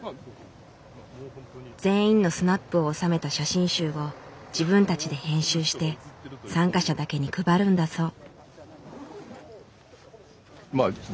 全員のスナップを収めた写真集を自分たちで編集して参加者だけに配るんだそう。